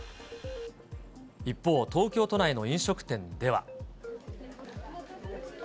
一方、東京都内の飲食店では。